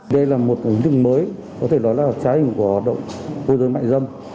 đây là một ứng dụng mới có thể nói là trái hình của hoạt động môi giới mại dâm